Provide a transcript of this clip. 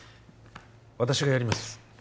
私がやります